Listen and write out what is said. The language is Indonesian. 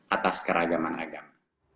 atas keragaman agama